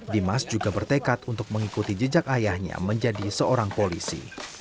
dimas juga bertekad untuk mengikuti jejak ayahnya menjadi seorang polisi